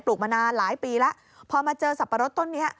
มานานหลายปีแล้วพอมาเจอสับปะรดต้นนี้